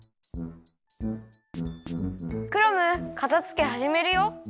クラムかたづけはじめるよ。